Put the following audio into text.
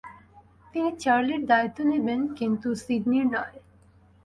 তিনি চার্লির দায়িত্ব নিবেন কিন্তু সিডনির নয়।